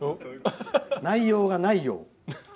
内容がないよう。